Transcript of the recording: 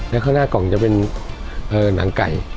แล้วข้างหน้ากล่องจะเป็นหนังไก่